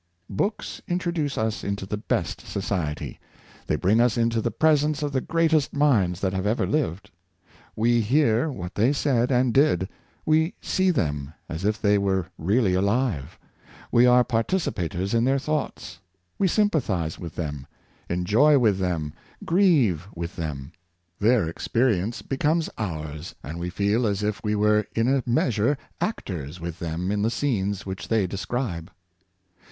Books introduce us into the best society; they bring us into the presence of the greatest minds that have ever lived. We hear what they said and did; we see them as if they were really alive; we are participators in their thoughts; we sympathize with them, enjoy with them, grieve with them; their experience becomes ours, and we feel as if we were in a measure actors with them in the scenes which they describe.